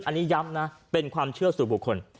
อันนี้ย้ำนะเป็นความเชื่อสู่บุคคล